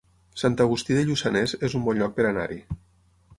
Sant Agustí de Lluçanès es un bon lloc per anar-hi